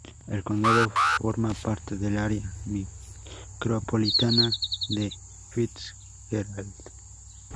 El condado forma parte del área micropolitana de Fitzgerald.